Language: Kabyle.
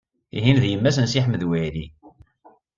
Tihin d yemma-s n Si Ḥmed Waɛli.